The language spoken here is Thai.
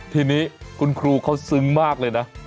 ทีนี้คุณครูเขาซึ้งมากเลยนะ